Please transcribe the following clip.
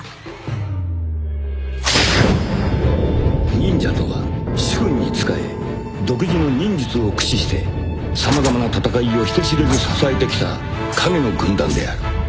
［忍者とは主君に仕え独自の忍術を駆使して様々な戦いを人知れず支えてきた影の軍団である］